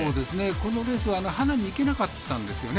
このレースハナでいけなかったんですね。